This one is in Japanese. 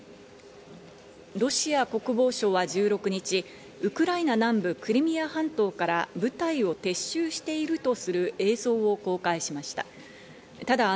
ロシア国防省は１６日、ウクライナ南部クリミア半島から部隊を撤収しているとする映像を公開しました。